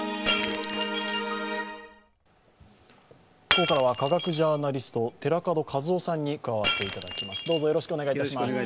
ここからは科学ジャーナリスト、寺門和夫さんに加わっていただきます。